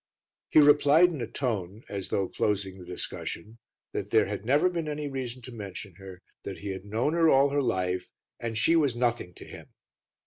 He replied in a tone, as though closing the discussion, that there had never been any reason to mention her, that he had known her all her life, and she was nothing to him.